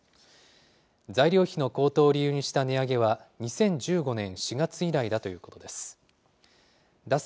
材料費の高騰を理由にした値上げは、２０１５年４月以来だということです。